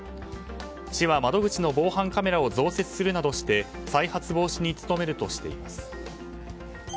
市は窓口の防犯カメラを増設するなどして再発防止に努めるとしています。